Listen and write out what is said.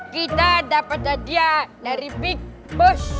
kita dapat hadiah dari big boss